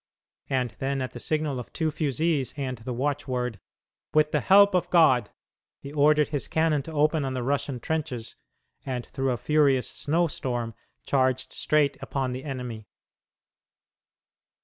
And then at the signal of two fusees and the watchword, "With the help of God," he ordered his cannon to open on the Russian trenches, and through a furious snow storm charged straight upon the enemy.